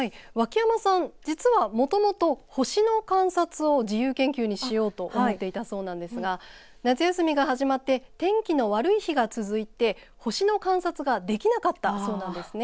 実はもともと星の観察を自由研究にしようと思っていたそうなんですが夏休みが始まって天気の悪い日が続いて星の観察ができなかったそうなんです。